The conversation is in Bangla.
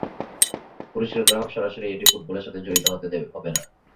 পুরস্কার গ্রাহক সরাসরি এটি ফুটবলের সাথে জড়িত হতে হবে না।